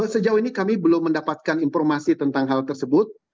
sejauh ini kami belum mendapatkan informasi tentang hal tersebut